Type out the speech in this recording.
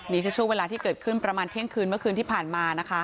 นี่คือช่วงเวลาที่เกิดขึ้นประมาณเที่ยงคืนเมื่อคืนที่ผ่านมานะคะ